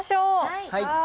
はい。